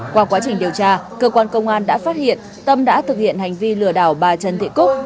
qua quá trình điều tra cơ quan công an đã phát hiện tâm đã thực hiện hành vi lừa đảo bà trần thị cúc